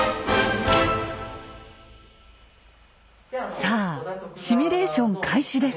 さあシミュレーション開始です。